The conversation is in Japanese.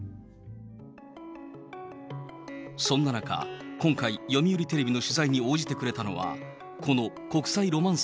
そんな中、今回、読売テレビの取材に応じてくれたのは、この国際ロマンス